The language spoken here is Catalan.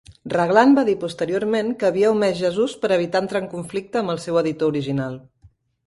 Raglan va dir posteriorment que havia omès Jesús per evitar entrar en conflicte amb el seu editor original.